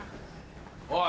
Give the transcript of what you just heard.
おい！